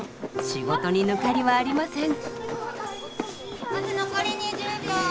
仕事に抜かりはありません。